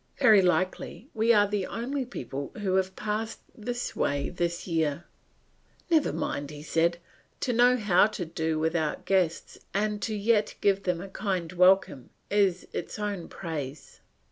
Very likely we are the only people who have passed this way this year." "Never mind," said he, "to know how to do without guests and yet to give them a kind welcome, is its own praise."